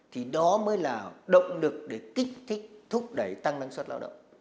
thì đó mới là động lực để kích thích thúc đẩy tăng năng suất lao động